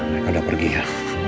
mereka udah pergi ya